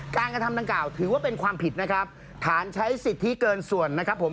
กระทำดังกล่าวถือว่าเป็นความผิดนะครับฐานใช้สิทธิเกินส่วนนะครับผม